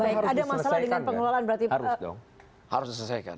ada masalah dengan pengelolaan berarti